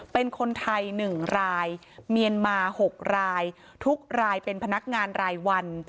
เป็นคนไทย๑รายเมียนมา๖รายทุกรายเป็นพนักงานรายวัน